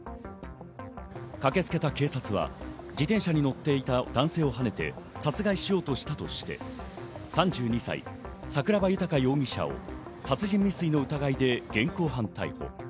駆けつけた警察は自転車に乗っていた男性をはねて殺害しようとしたとして、３２歳、桜庭豊容疑者を殺人未遂の疑いで現行犯逮捕。